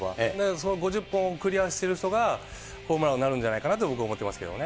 その５０本をクリアしてる人が、ホームラン王になるんじゃないかなと僕は思ってますけどね。